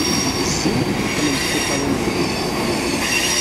Zzimt, teqqnemt tiṭṭawin-nwent.